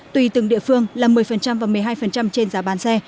tùy từng địa phương là một mươi và một mươi hai trên giá bán xe